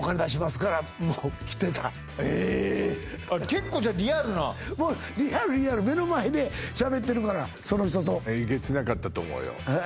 結構リアルなリアルリアル目の前でしゃべってるからその人とと思うよ